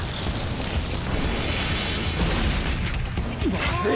まずい！